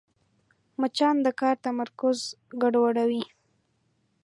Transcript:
مچان د کار تمرکز ګډوډوي